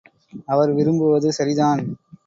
அவர் விரும்புவது சரிதான்.